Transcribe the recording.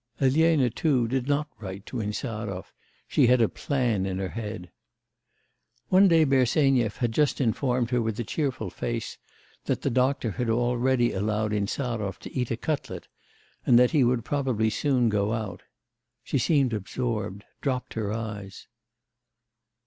Elena too did not write to Insarov; she had a plan in her head. One day Bersenyev had just informed her with a cheerful face that the doctor had already allowed Insarov to eat a cutlet, and that he would probably soon go out; she seemed absorbed, dropped her eyes.